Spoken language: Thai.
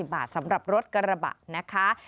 บาทสำหรับรถกระบะนะคะ